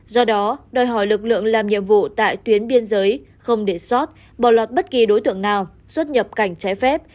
do đó đòi hỏi lực lượng làm nhiệm vụ tại tuyến biên giới không để sót bỏ lọt bất kỳ đối tượng nào xuất nhập cảnh trái phép